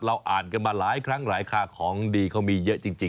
เราอ่านกันมาหลายครั้งผิดของดีเขามีเยอะจริง